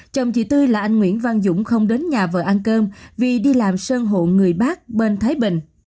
chồng chị tư là anh nguyễn văn dũng không đến nhà vợ ăn cơm vì đi làm sơn hộ người bác bên thái bình